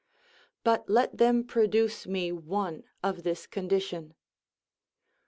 But let them produce me one of this condition.